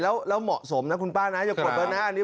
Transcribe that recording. แล้วเหมาะสมนะคุณป้านะอย่ากดเดินหน้าอันนี้